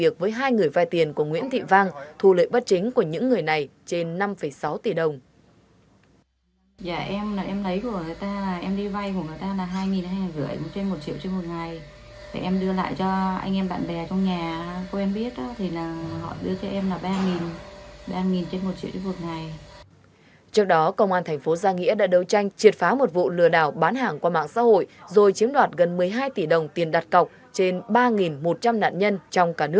công an thành phố gia nghĩa đã đấu tranh triệt phá một vụ lừa đảo chiếm mặt tài sản